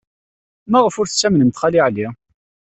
Maɣef ur tettamnemt Xali Ɛli?